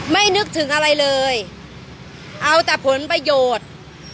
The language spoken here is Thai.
นึกถึงอะไรเลยเอาแต่ผลประโยชน์